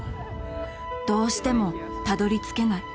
どうしてもたどりつけない。